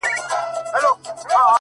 دا خو گراني ستا د حُسن اور دی لمبې کوي _